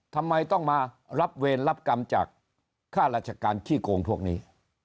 ทำไมต้องมารับเวรรับกรรมจากค่าราชการขี้โกงพวกนี้